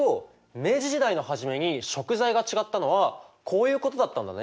明治時代の初めに食材が違ったのはこういうことだったんだね。